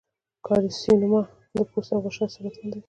د کارسینوما د پوست او غشا سرطان دی.